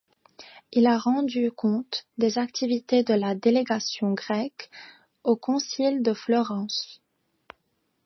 Il a rendu compte des activités de la délégation grecque au concile de Florence.